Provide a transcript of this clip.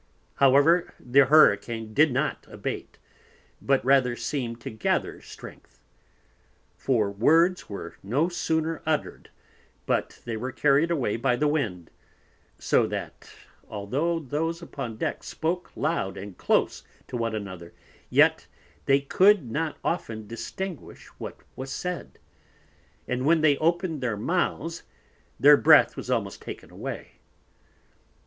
However the Hurricane did not abate, but rather seemed to gather Strength. For Words were no sooner uttered, but they were carried away by the Wind, so that although those upon Deck spoke loud and close to one another, yet they could not often distinguish what was said; and when they opened their Mouths, their Breath was almost taken away.